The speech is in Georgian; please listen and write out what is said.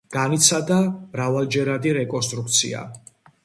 განიცადა მრავალჯერადი რეკონსტრუქცია.